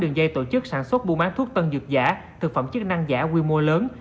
đường dây tổ chức sản xuất buôn bán thuốc tân dược giả thực phẩm chức năng giả quy mô lớn